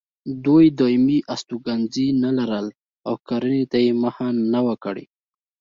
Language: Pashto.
دوی دایمي استوګنځي نه لرل او کرنې ته یې مخه نه وه کړې.